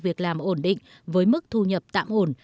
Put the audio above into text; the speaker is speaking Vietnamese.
việc làm ổn định với mức thu nhập tạm ổn